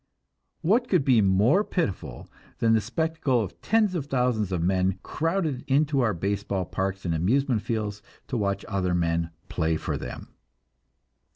What could foe more pitiful than the spectacle of tens of thousands of men crowding into our baseball parks and amusement fields to watch other men play for them!